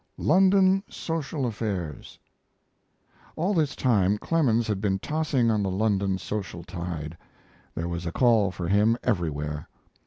LONDON SOCIAL AFFAIRS All this time Clemens had been tossing on the London social tide. There was a call for him everywhere.